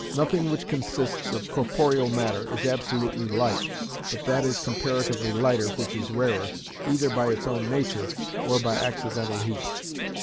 Nothing which consists of corporeal matter is absolutely light, but that is comparatively lighter which is rarer, either by its own nature, or by accidental heat.